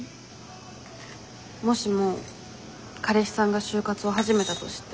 もしも彼氏さんが就活を始めたとして。